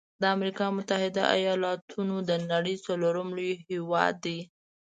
د امريکا متحده ایلاتونو د نړۍ څلورم لوی هیواد دی.